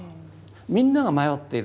みんなが迷っている。